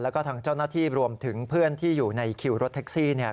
แล้วก็ทางเจ้าหน้าที่รวมถึงเพื่อนที่อยู่ในคิวรถแท็กซี่เนี่ย